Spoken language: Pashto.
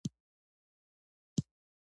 ویکیوم د ذرّو خالي ځای دی.